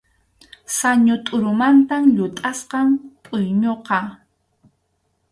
Sañu tʼurumanta llutʼasqam pʼuyñuqa.